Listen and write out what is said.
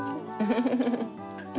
ンフフフフ。